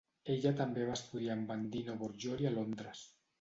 Ella també va estudiar amb en Dino Borgioli a Londres.